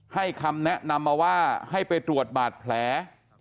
คำแนะนำมาว่าให้ไปตรวจบาดแผล